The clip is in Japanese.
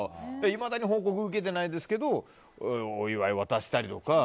いまだに報告受けてないですけどお祝い渡したりとか。